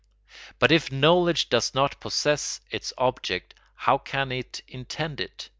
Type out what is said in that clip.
But if knowledge does not possess its object how can it intend it?